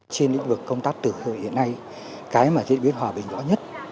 trên lĩnh vực công tác từ hồi hiện nay cái mà chúng tôi biết hòa bình rõ nhất